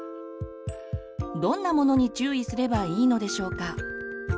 どんなものに注意すればいいのでしょうか？